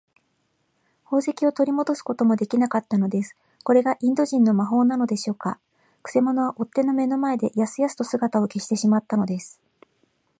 宝石をとりもどすこともできなかったのです。これがインド人の魔法なのでしょうか。くせ者は追っ手の目の前で、やすやすと姿を消してしまったのです。